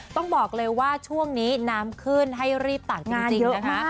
ต้องบอกเลยว่าช่วงนี้น้ำขึ้นให้รีบต่างกันจริงออกมา